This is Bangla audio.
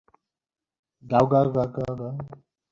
দ্রুত রাগ উঠলেও, আমাদের বুঝ হয় দেরিতে।